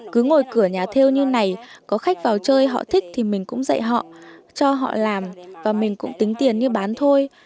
cứ ngồi cửa nhà theo như này có khách vào chơi họ thích thì mình cũng dạy họ cho họ làm và mình cũng tính tiền như bán thôi